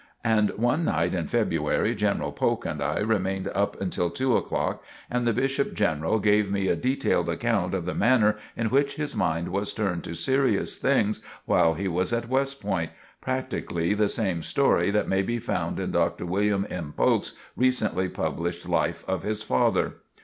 And one night in February, General Polk and I remained up until two o'clock, and the Bishop General gave me a detailed account of the manner in which his mind was turned to serious things while he was at West Point practically the same story that may be found in Dr. William M. Polk's recently published life of his father.